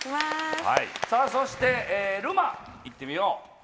さあそしてるまいってみよう。